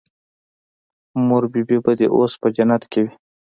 مور بي بي به دې اوس په جنت کښې وي.